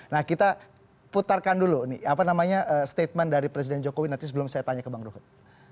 nah kita putarkan dulu nih apa namanya statement dari presiden jokowi nanti sebelum saya tanya ke bang ruhut